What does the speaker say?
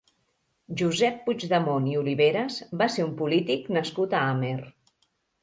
Josep Puigdemont i Oliveras va ser un polític nascut a Amer.